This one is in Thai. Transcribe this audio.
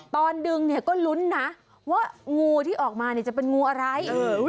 ตอนดึงเนี่ยก็ลุ้นนะว่างูที่ออกมาเนี่ยจะเป็นงูอะไร